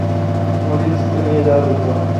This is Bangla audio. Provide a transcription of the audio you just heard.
ইমার্জেন্সিতে নিয়ে যাও দ্রুত!